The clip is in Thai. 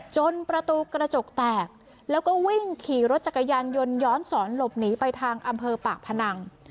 จนประตูกระจกแตกแล้วก็วิ่งขี่รถจักรยานยนต์ย้อนสอนหลบหนีไปทางอำเภอปากพนัง